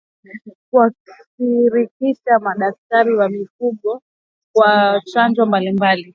Kuwashirikisha madaktari wa mifugo kwa chanjo mbali mbali